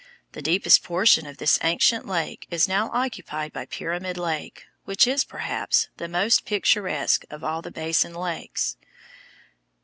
The deepest portion of this ancient lake is now occupied by Pyramid Lake, which is, perhaps, the most picturesque of all the Basin lakes.